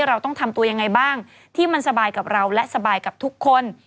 เราต้องทำตัวยังไงบ้างที่มันสบายกับเราและสบายกับทุกคน